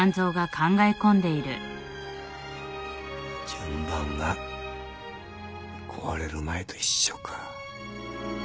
順番が壊れる前と一緒か。